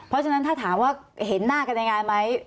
เพราะฉะนั้นถ้าถามว่าเห็นหน้ากันในงานไหม